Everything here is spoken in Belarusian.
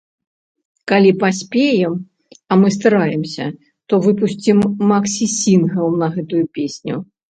Калі паспеем, а мы стараемся, то выпусцім максі-сінгл на гэтую песню.